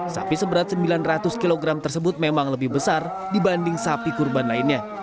sapi seberat sembilan ratus kg tersebut memang lebih besar dibanding sapi kurban lainnya